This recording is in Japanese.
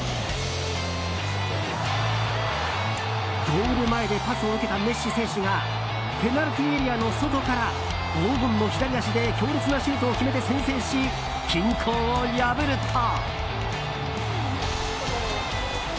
ゴール前でパスを受けたメッシ選手がペナルティーエリアの外から黄金の左足で強烈なシュートを決めて先制し均衡を破ると。